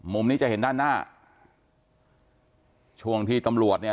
มุมนี้จะเห็นด้านหน้าช่วงที่ตำรวจเนี่ย